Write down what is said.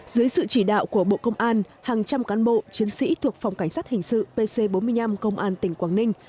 dưới sự chỉ đạo của bộ công an hàng trăm cán bộ chiến sĩ thuộc phòng cảnh sát hình sự pc bốn mươi năm công an tỉnh quảng ninh